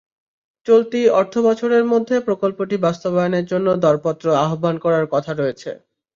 চলতি অর্থবছরের মধ্যে প্রকল্পটি বাস্তবায়নের জন্য দরপত্র আহ্বান করার কথা রয়েছে।